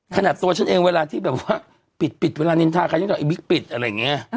ขณะตัวฉันเองเวลาที่แบบว่าปิดเวลานินทราอะไรเงี้ย